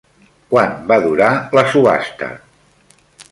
Quant va durar la subhasta?